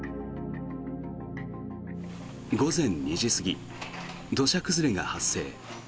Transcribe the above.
午前２時すぎ、土砂崩れが発生。